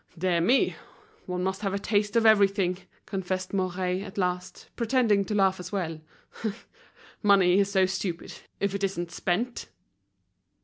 "Dear me! one must have a taste of everything," confessed Mouret, at last, pretending to laugh as well. "Money is so stupid, if it isn't spent."